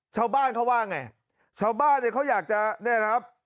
ชาวบ้านเขาว่าไงชาวบ้านเนี่ยเขาอยากจะเนี่ยนะครับ